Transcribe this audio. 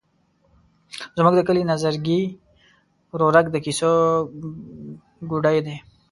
زموږ د کلي نظرګي ورورک د کیسو ګوډی دی.